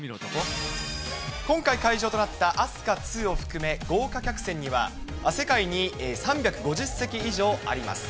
今回、会場となった飛鳥ＩＩを含め、豪華客船には、世界に３５０隻以上あります。